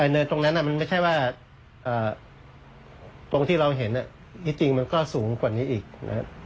เนินตรงนั้นมันไม่ใช่ว่าตรงที่เราเห็นที่จริงมันก็สูงกว่านี้อีกนะครับ